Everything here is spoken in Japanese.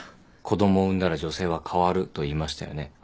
子供を産んだら女性は変わると言いましたよね。